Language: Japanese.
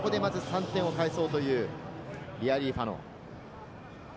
ここでまず３点を返そうという、リアリーファノ。